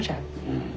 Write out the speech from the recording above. うん。